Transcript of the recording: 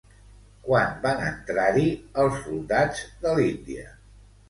Quan van entrar-hi els soldats de l'Índia?